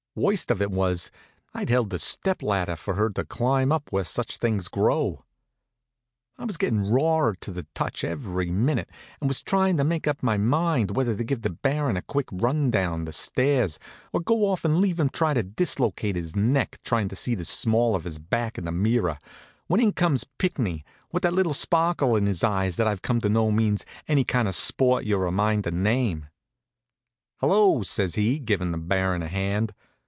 Worst of it was, I'd held the step ladder for her to climb up where such things grow. I was gettin' rawer to the touch every minute, and was tryin' to make up my mind whether to give the Baron a quick run down the stairs, or go off an' leave him to dislocate his neck tryin' to see the small of his back in the mirror; when in comes Pinckney, with that little sparkle in his eyes that I've come to know means any kind of sport you're a mind to name. "Hello!" says he, givin' the Baron a hand.